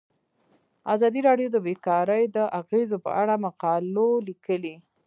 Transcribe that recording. ازادي راډیو د بیکاري د اغیزو په اړه مقالو لیکلي.